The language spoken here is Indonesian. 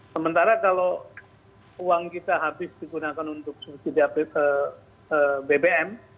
sementara kalau uang kita habis digunakan untuk subsidi bbm